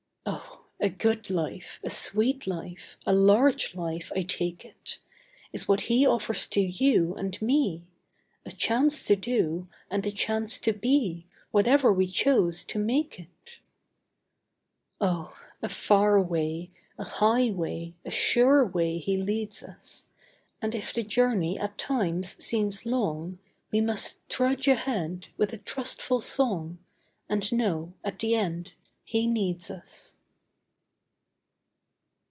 Oh, a good life, a sweet life, a large life I take it, Is what He offers to you, and me; A chance to do, and a chance to be, Whatever we chose to make it. Oh, a far way, a high way, a sure way He leads us; And if the journey at times seems long, We must trudge ahead, with a trustful song, And know at the end He needs us.